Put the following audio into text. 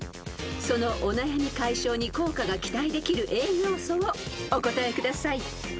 ［そのお悩み解消に効果が期待できる栄養素をお答えください］